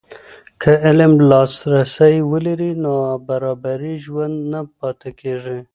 که علم لاسرسی ولري، نابرابري ژوره نه پاتې کېږي.